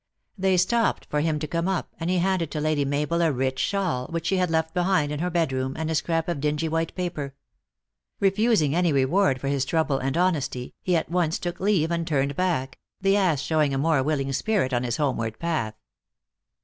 They stopped for him to come up, and he handed to Lady Mabel a rich shawl, which she had left behind 7 154 THE ACTRESS IN HIGH LIFE. in her bed room, and a scrap of dingy white paper. Kefusing any reward for his trouble and honesty, he at once took leave and turned back, the ass showing a more willing spirit on his homeward path.